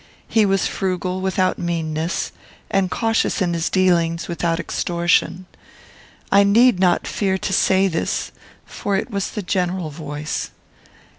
He was frugal without meanness, and cautious in his dealings, without extortion. I need not fear to say this, for it was the general voice.